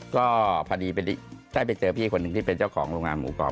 ก็พอดีได้ไปเจอพี่คนหนึ่งที่เป็นเจ้าของโรงงานหมูกรอบ